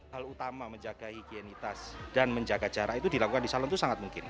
hal utama menjaga higienitas dan menjaga jarak itu dilakukan di salon itu sangat mungkin